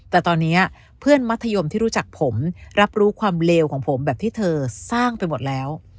แต่ตอนนี้เพื่อนมัธยมที่รู้จักผมรับรู้ความเลวของผมแบบที่เธอสร้างไปหมดแล้ว